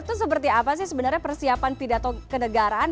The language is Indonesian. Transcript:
itu seperti apa sih sebenarnya persiapan pidato kenegaraan